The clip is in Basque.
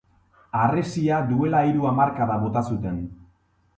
Harresia duela hiru hamarkada bota zuten.